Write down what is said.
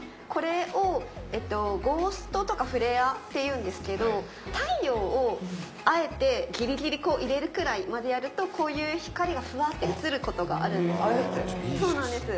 これをゴーストとかフレアって言うんですけど太陽をあえてギリギリこう入れるくらいまでやるとこういう光がフワッて写る事があるんですね。